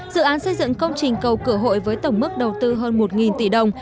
dự án xây dựng công trình cầu cửa hội với tổng mức đầu tư hơn một tỷ đồng